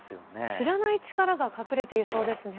知らない力が隠れていそうですね。